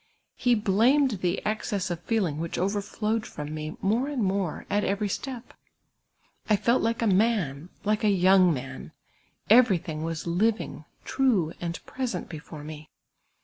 He blamed the excess of feeling which overflowed from me more and more at every step. I felt like a man, like a young man ; everything was living, true, and present before me.